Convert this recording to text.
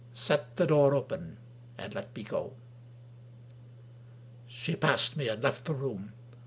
Set the door open, and let me go." She passed me, and left the room.